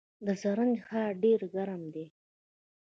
د زرنج ښار ډیر ګرم دی